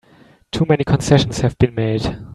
Too many concessions have been made!